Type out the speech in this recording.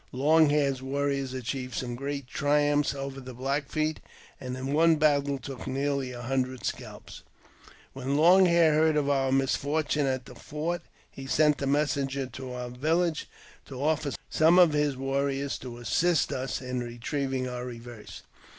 Long Hair's warriors achieved some great triumphs over the Black Feet, and in one battle took nearly a hundred scalps. When Long Hair heard of our misfortune at the fort, he sent a messenger to our village to offer some of his warriors to assist us in retrieving our reverse.